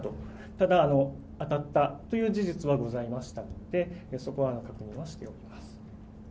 ただ、当たったという事実はございましたので、そこは確認はしております。